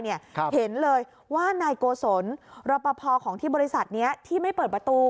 เห็นเลยว่านายโกศลรอปภของที่บริษัทนี้ที่ไม่เปิดประตู